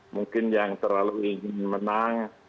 mungkin yang terlalu ingin menang